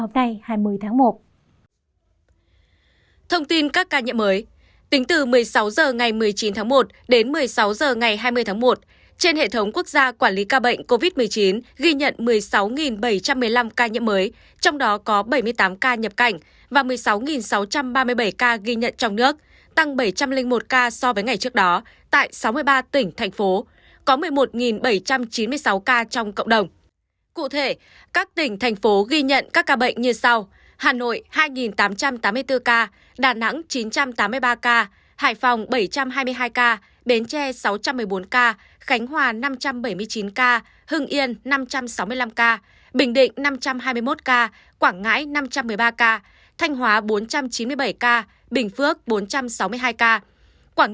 bình định năm trăm hai mươi một ca quảng ngãi năm trăm một mươi ba ca thanh hóa bốn trăm chín mươi bảy ca bình phước bốn trăm sáu mươi hai ca quảng ninh ba trăm tám mươi chín ca bắc giang ba trăm tám mươi sáu ca bắc ninh ba trăm bảy mươi ba ca cà mau ba trăm sáu mươi một ca trà vinh ba trăm ba mươi hai ca quảng nam hai trăm tám mươi tám ca thừa thiên huế hai trăm tám mươi năm ca